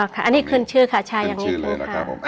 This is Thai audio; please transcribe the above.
อ๋อค่ะอันนี้คืนชื่อค่ะชายอย่างงี้ค่ะคืนชื่อเลยนะครับผมอ่ะ